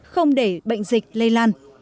không để bệnh dịch lây lan